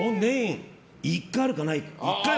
１回あるか、ないか。